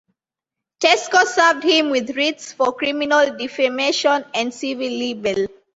Tesco served him with writs for criminal defamation and civil libel.